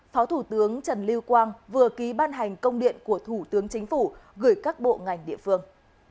phó thủ tướng trần lưu quang vừa ký ban hành công điện của thủ tướng chính phủ gửi các bộ ngành địa phương